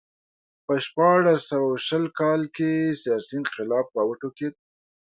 په شپاړس سوه شل کال کې سیاسي انقلاب راوټوکېد.